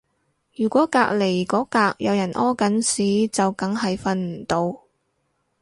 如果隔離嗰格有人屙緊屎就梗係瞓唔到